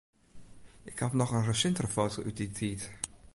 Ik haw noch in resintere foto út dy tiid.